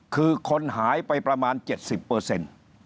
คือคนหายไปประมาณ๗๐เปอร์เซ็นต์